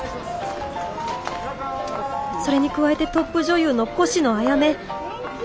それに加えてトップ女優の越乃彩梅。